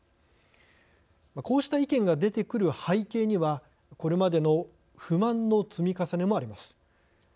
こうした意見が出てくる背景にはこれまでの不満の積み重ねもあります。